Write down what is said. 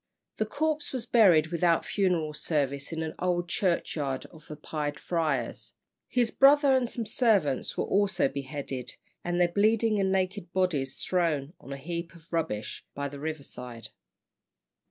The corpse was buried without funeral service in an old churchyard of the Pied Friars. His brother and some servants were also beheaded, and their bleeding and naked bodies thrown on a heap of rubbish by the river side.